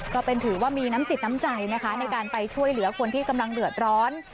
ถือว่ามีน้ำจิตน้ำใจนะคะในการไปช่วยเหลือคนที่กำลังเดือดร้อน